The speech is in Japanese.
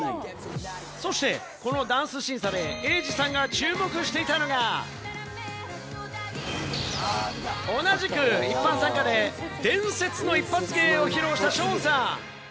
そしてこのダンス審査でエイジさんが注目していたのが、同じく一般参加で、伝説の一発芸を披露した、ショーンさん。